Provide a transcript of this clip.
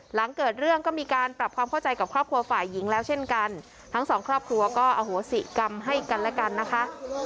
หลังเกิดเรื่องก็มีการปรับความเข้าใจกับครอบครัวฝ่ายหญิงแล้วเช่นกันทั้งสองครอบครัวก็อโหสิกรรมให้กันและกันนะคะ